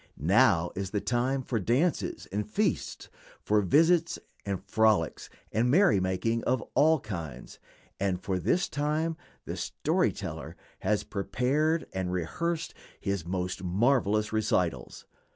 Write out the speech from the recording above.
Now is the time for dances and feasts, for visits and frolics and merry making of all kinds, and for this time the "story teller" has prepared and rehearsed his most marvelous recitals.